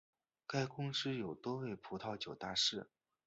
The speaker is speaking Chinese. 该公司有多位葡萄酒大师。